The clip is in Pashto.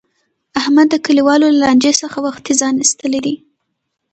احمد د کلیوالو له لانجې څخه وختي ځان ایستلی دی.